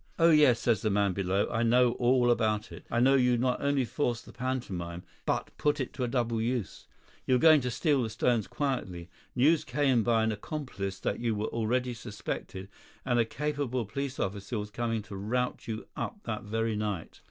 "Oh, yes," says the man below, "I know all about it. I know you not only forced the pantomime, but put it to a double use. You were going to steal the stones quietly; news came by an accomplice that you were already suspected, and a capable police officer was coming to rout you up that very night.